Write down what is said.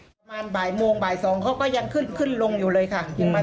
ประมาณบ่ายโมงบ่ายสองเขาก็ยังขึ้นลงอยู่เลยค่ะยังมา